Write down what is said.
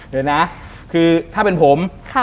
เดี๋ยวนะคือถ้าเป็นผม